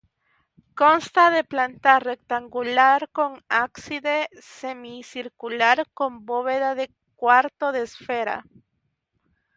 Consta de planta rectangular con ábside semicircular con bóveda de cuarto de esfera.